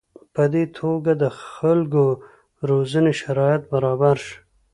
په دې توګه د خلکو روزنې شرایط برابر شي.